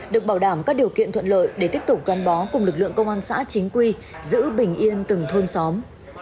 được bảo đảm các điều kiện thuận lợi để tiếp tục gắn bó cùng lực lượng công an xã chính quy giữ bình yên từng thôn xóm